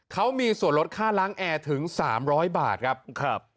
เขามีส่วนลดค่าล้างแอร์ถึง๓๐๐บาทครับ